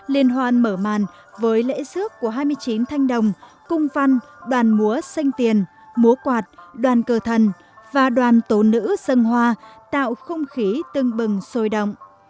liên hoàn mở màn với lễ xước của hai mươi chín thanh đồng cung văn đoàn múa xanh tiền múa quạt đoàn cờ thần và đoàn tổ nữ sân hoa tạo không khí tưng bừng sôi động